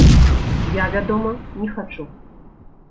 Я, вядома, не хачу.